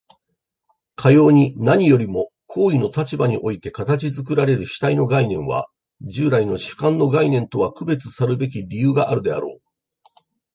かように何よりも行為の立場において形作られる主体の概念は、従来の主観の概念とは区別さるべき理由があるであろう。